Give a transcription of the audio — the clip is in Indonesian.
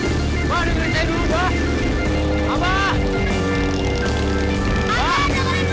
ini meli mbak temennya raya temen sekolah